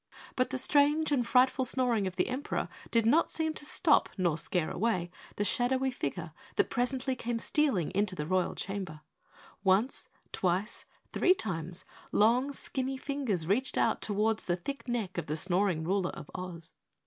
But the strange and frightful snoring of the Emperor did not seem to stop nor scare away the shadowy figure that presently came stealing into the Royal Chamber. Once twice three times, long skinny fingers reached out toward the thick neck of the snoring ruler of Oz.